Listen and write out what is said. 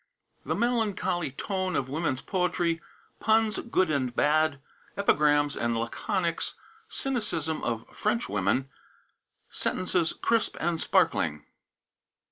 THE MELANCHOLY TONE OF WOMEN'S POETRY PUNS, GOOD AND BAD EPIGRAMS AND LACONICS CYNICISM OF FRENCH WOMEN SENTENCES CRISP AND SPARKLING.